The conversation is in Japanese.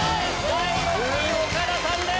第６位岡田さんです！